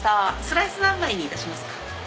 スライス何枚にいたしますか？